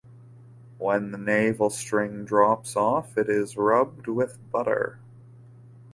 When the navel-string drops off, it is rubbed with butter.